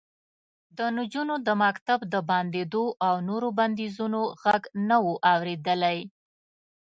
د نجونو د مکتب د بندېدو او نورو بندیزونو غږ نه و اورېدلی